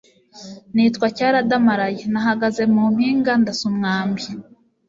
Nitwa Cyaradamaraye. Nahagaze mu mpinga ndasa umwambi